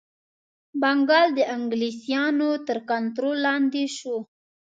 بنګال د انګلیسیانو تر کنټرول لاندي شو.